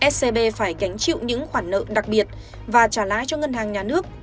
scb phải gánh chịu những khoản nợ đặc biệt và trả lãi cho ngân hàng nhà nước